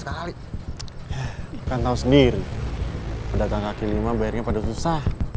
please kami gak tahu apa apa